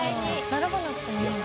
並ばなくてもいい。